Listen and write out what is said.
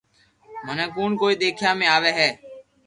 منو ڪون ڪوئي ديکيا ۾ آوي ھي